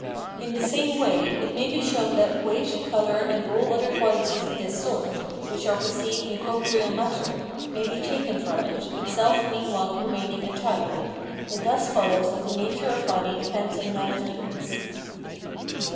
In the same way, it may be shown that weight, colour, and all the other qualities of this sort, which are perceived in corporeal matter, may be taken from it, itself meanwhile remaining entire: it thus follows that the nature of body depends on none of these.